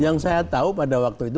yang saya tahu pada waktu itu